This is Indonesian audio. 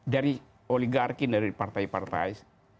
dari oligarki dari partai partai